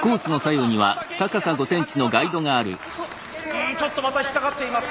うんちょっとまた引っ掛かっています。